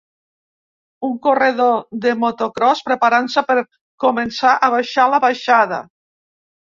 Un corredor de motocròs preparant-se per començar a baixar la baixada.